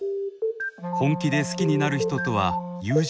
本気で好きになる人とは友人